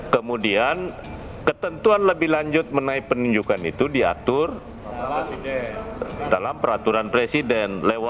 kemudian ketentuan lebih lanjut menaik penunjukan itu diatur dalam peraturan presiden